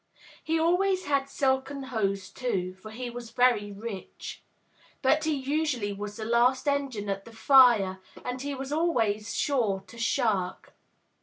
He always had silken hose, too, for he was very rich. But he usually was the last engine at the fire, and he was always sure to shirk.